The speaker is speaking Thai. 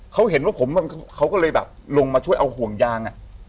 เขาเห็นว่าผมเขาก็เลยแบบลงมาช่วยเอาห่วงยาง